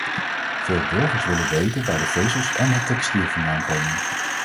Veel burgers willen weten waar de vezels en het textiel vandaan komen.